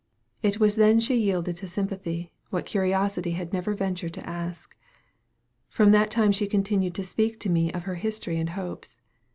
It was then she yielded to sympathy, what curiosity had never ventured to ask. From that time she continued to speak to me of her history and hopes.